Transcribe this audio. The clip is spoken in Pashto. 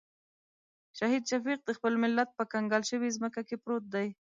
شهید شفیق د خپل ملت په کنګال شوې ځمکه کې پروت دی.